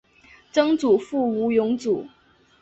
曾祖父吴荣祖。